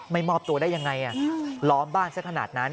มอบตัวได้ยังไงล้อมบ้านซะขนาดนั้น